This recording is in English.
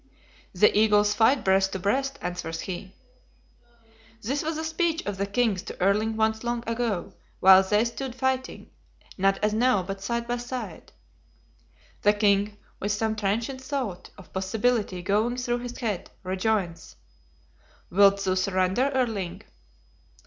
"The eagles fight breast to breast," answers he. This was a speech of the king's to Erling once long ago, while they stood fighting, not as now, but side by side. The king, with some transient thought of possibility going through his head, rejoins, "Wilt thou surrender, Erling?"